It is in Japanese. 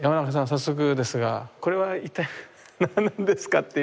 早速ですがこれは一体何なんですか？